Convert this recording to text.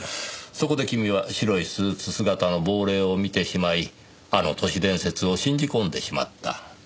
そこで君は白いスーツ姿の亡霊を見てしまいあの都市伝説を信じ込んでしまった。